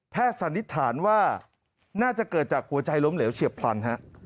สันนิษฐานว่าน่าจะเกิดจากหัวใจล้มเหลวเฉียบพลันฮะ